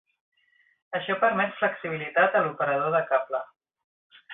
Això permet flexibilitat a l'operador de cable.